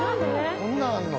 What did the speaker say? こんなんあるの？